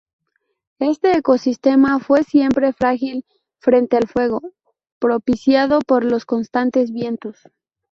Este ecosistema fue siempre frágil frente al fuego, propiciado por los constantes vientos.